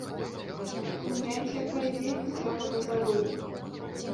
Вы гляньце, якая дзейнасць яго на заводзе.